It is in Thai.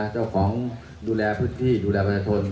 นะเจ้าของดูแลพืชที่ดูแลประธาน